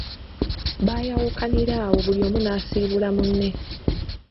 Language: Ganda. Baayawukanira awo buli omu n'asiibula munne.